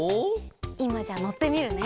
いまじゃあのってみるね。